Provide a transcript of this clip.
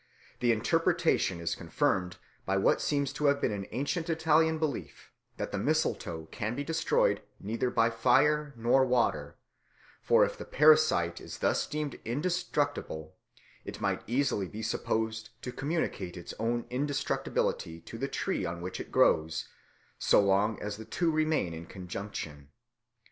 The interpretation is confirmed by what seems to have been an ancient Italian belief, that the mistletoe can be destroyed neither by fire nor water; for if the parasite is thus deemed indestructible, it might easily be supposed to communicate its own indestructibility to the tree on which it grows, so long as the two remain in conjunction.